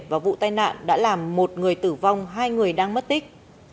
và vụ tai nạn đã làm một người tử vong hai người đang mất tích